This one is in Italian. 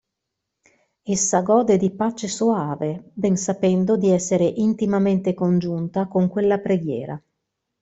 Essa gode di pace soave, ben sapendo di essere intimamente congiunta con quella preghiera.